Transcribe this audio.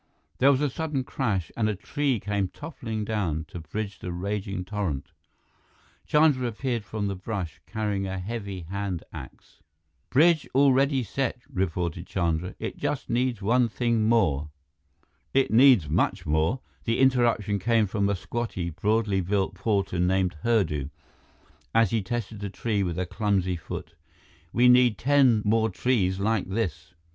There was a sudden crash, and a tree came toppling down to bridge the raging torrent. Chandra appeared from the brush, carrying a heavy hand axe. "Bridge already set," reported Chandra. "It just needs one thing more " [Illustration: A dozen steps and Biff was over] "It needs much more." The interruption came from a squatty, broadly built porter named Hurdu, as he tested the tree with a clumsy foot. "We need ten more trees like this."